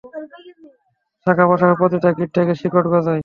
শাখা-প্রশাখার প্রতিটা গিঁট থেকে শিকড় গজায়।